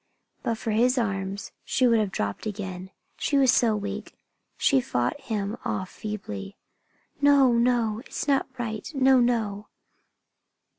But for his arms she would have dropped again, she was so weak. She fought him off feebly. "No! No! It is not right! No! No!"